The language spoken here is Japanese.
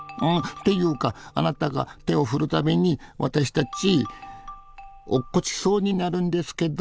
っていうかあなたが手を振る度に私たち落っこちそうになるんですけど。